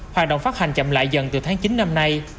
hoạt động phát hành chậm lại dần từ tháng chín năm nay